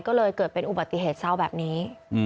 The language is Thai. ก็เลยเกิดเป็นอุบัติเหตุเศร้าแบบนี้